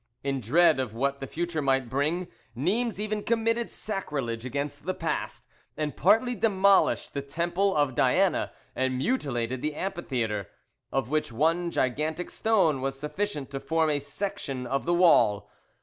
In dread of what the future might bring, Nimes even committed sacrilege against the past, and partly demolished the Temple of Diana and mutilated the amphitheatre—of which one gigantic stone was sufficient to form a section of the wall.